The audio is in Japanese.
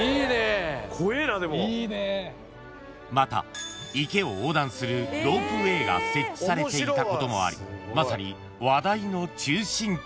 ［また池を横断するロープウェーが設置されていたこともありまさに話題の中心地］